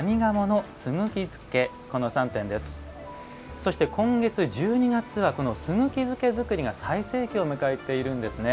そして、今月１２月はすぐき漬け作りが最盛期を迎えているんですね。